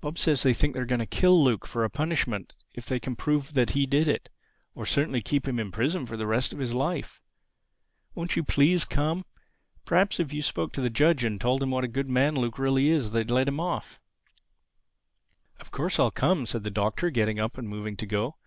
"Bob says he thinks they are going to kill Luke for a punishment if they can prove that he did it—or certainly keep him in prison for the rest of his life. Won't you please come? Perhaps if you spoke to the judge and told him what a good man Luke really is they'd let him off." "Of course I'll come," said the Doctor getting up and moving to go.